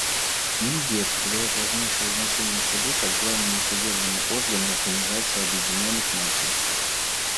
Индия придает важнейшее значение Суду как главному судебному органу Организации Объединенных Наций.